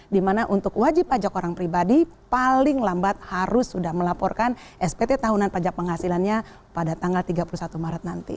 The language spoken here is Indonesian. dimana untuk wajib pajak orang pribadi paling lambat harus sudah melaporkan spt tahunan pajak penghasilannya pada tanggal tiga puluh satu maret nanti